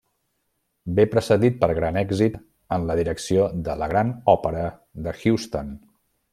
Ve precedit per gran èxit en la direcció de la Gran Òpera de Houston.